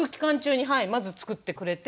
まず作ってくれて。